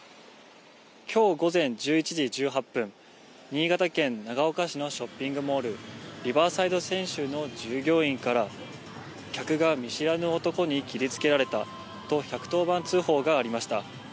きょう午前１１時１８分、新潟県長岡市のショッピングモール、リバーサイド千秋の従業員から、客が見知らぬ男に切りつけられたと１１０番通報がありました。